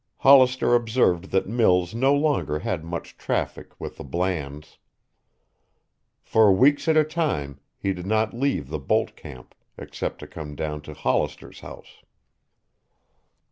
Hollister observed that Mills no longer had much traffic with the Blands. For weeks at a time he did not leave the bolt camp except to come down to Hollister's house.